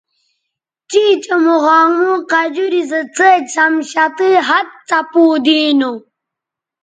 چیں چہء مخامخ قجوری سو څھے شمشتئ ھَت څپوں دینو